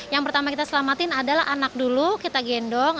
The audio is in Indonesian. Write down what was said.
yang pertama kita selamatin adalah anak dulu kita gendong